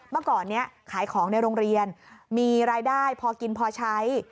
เมื่อก่อนนี้ขายของในโรงเรียนมีรายได้พอกินพอใช้